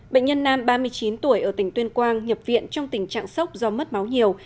bệnh nhân nam ba mươi chín tuổi ở tỉnh tuyên quang nhập viện trong tình trạng sốc do mất máu nhiều